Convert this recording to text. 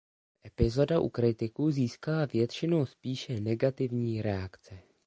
Epizoda u kritiků získala většinou spíše negativní reakce.